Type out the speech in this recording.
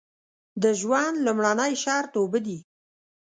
د ژوند لومړنی شرط اوبه دي.